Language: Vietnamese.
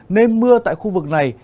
nên mưa tại khu vực này